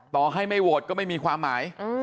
ต่อให้ไม่โหวตก็ไม่มีความหมาย